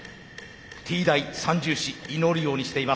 Ｔ大三銃士祈るようにしています。